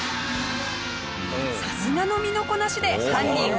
さすがの身のこなしで犯人を撃退！